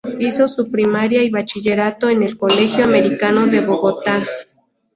Hizo su primaria y bachillerato en el Colegio Americano de Bogotá.